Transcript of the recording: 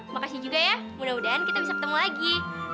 makasih juga ya mudah mudahan kita bisa ketemu lagi